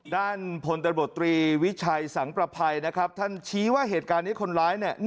ด้านพลตำรวจตรีวิชัยสังประภัยนะครับท่านชี้ว่าเหตุการณ์นี้คนร้ายเนี่ย